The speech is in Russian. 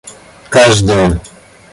каждая